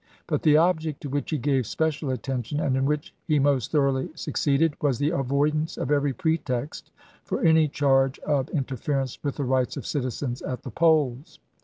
But the object to which he gave special attention, and in which he most thoroughly succeeded, was the avoidance of every pretext for any charge of in terference with the rights of citizens at the polls.